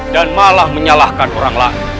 dan malah menyalahkan orang lain